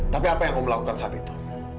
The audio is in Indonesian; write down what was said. tapi apa yang kamu melakukan saat itu